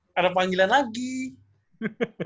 tiba tiba pas udah mau ke un